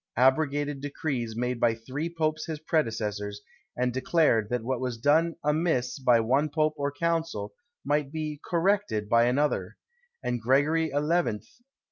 abrogated decrees made by three popes his predecessors, and declared that what was done amiss by one pope or council might be corrected by another; and Gregory XI.